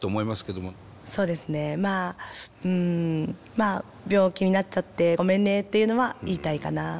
まあ病気になっちゃってごめんねっていうのは言いたいかな。